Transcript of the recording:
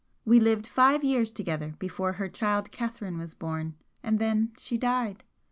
We lived five years together before her child Catherine was born, and then she died.